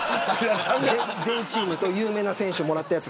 全チームと有名な選手にもらったやつ。